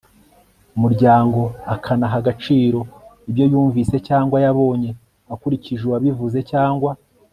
muryango, akanaha agaciro ibyo yumvise cyangwa yabonye, akurikije uwabivuze cyangwa